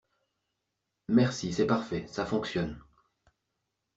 Merci, c’est parfait, ça fonctionne.